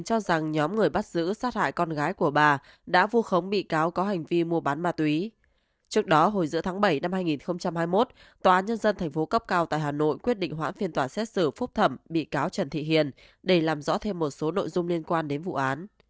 tòa án nhân dân tp cấp cao tại hà nội quyết định hoãn phiên tòa xét xử phúc thẩm bị cáo trần thị hiền để làm rõ thêm một số nội dung liên quan đến vụ án